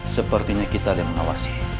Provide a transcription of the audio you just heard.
sepertinya kita ada yang mengawasi